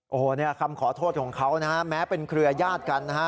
โอ้โหเนี่ยคำขอโทษของเขานะฮะแม้เป็นเครือญาติกันนะฮะ